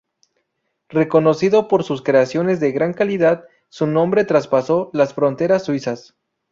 Reconocido por sus creaciones de gran calidad, su renombre traspasó las fronteras suizas.